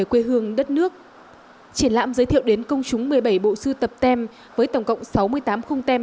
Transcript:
quê hương đất nước triển lãm giới thiệu đến công chúng một mươi bảy bộ sưu tập tem với tổng cộng sáu mươi tám khung tem